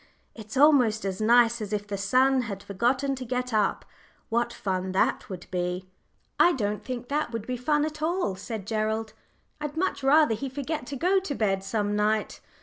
It's almost as nice as if the sun had forgotten to get up what fun that would be!" "I don't think that would be fun at all," said Gerald. "I'd much rather he should forget to go to bed some night.